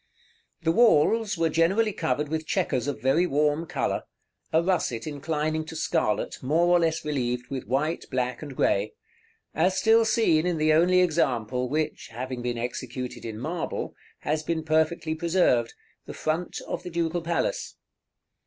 § XXXII. The walls were generally covered with chequers of very warm color, a russet inclining to scarlet, more or less relieved with white, black, and grey; as still seen in the only example which, having been executed in marble, has been perfectly preserved, the front of the Ducal Palace.